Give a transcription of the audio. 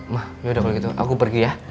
ma ya udah kalau gitu aku pergi ya